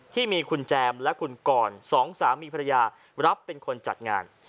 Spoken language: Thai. ที่มีคุณแจมและคุณกรสองสามีภรรยารับเป็นคนจัดงาน